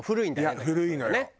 いや古いのよ。